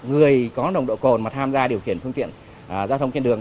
người có nồng độ cồn mà tham gia điều khiển phương tiện giao thông trên đường